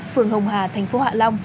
phường hồng hà tp hcm